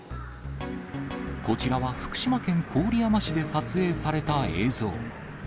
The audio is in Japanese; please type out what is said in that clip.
こちらは福島県郡山市で撮影された映像。